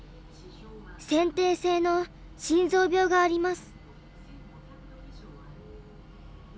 先天性の心臓病があります。